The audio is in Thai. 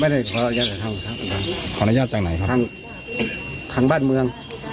ไม่ได้ขออนุญาตจากท่านครับขออนุญาตจากไหนครับทางบ้านเมือง